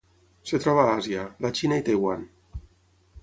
Es troba a Àsia: la Xina i Taiwan.